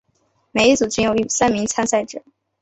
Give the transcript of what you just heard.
每一组均有三名参赛者。